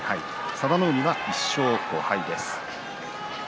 佐田の海は１勝５敗です。